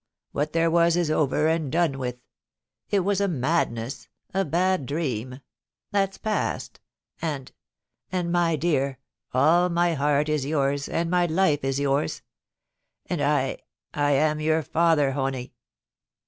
What there was is over and done with ; it was a LAST WORDS. 423 madness — a bad dream — that's past, and — and, my dear, all ni) heart is yours, and my life is yours ; and I — I am your father, Honie.'